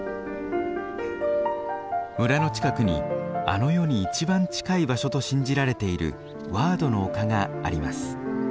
村の近くにあの世に一番近い場所と信じられているワードの丘があります。